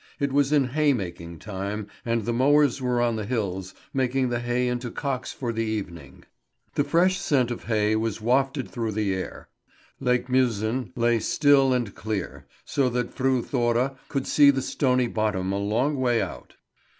It was in hay making time, and the mowers were on the hills, making the hay into cocks for the evening. The fresh scent of hay was wafted through the air. Lake Mjösen lay still and clear, so that Fru Thora could see the stony bottom a long way out.